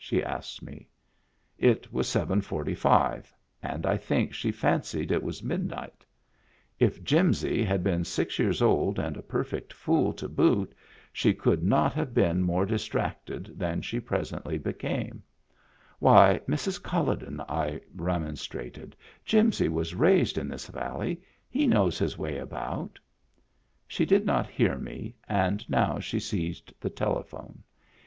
she asked me. It was seven forty five and I think she fancied it was midnight. If Jimsy had been six years old and a perfect fool to boot she could not have been more distracted than she presently became. "Why, ^rs. CuUoden," I remonstrated, "Jimsy was raised in this valley. He knows his way about." She did not hear me and now she seized the Digitized by Google THE DRAKE WHO HAD MEANS OF HIS OWN 311 telephone.